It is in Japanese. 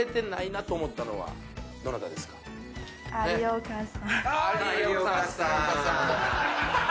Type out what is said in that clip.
有岡さん。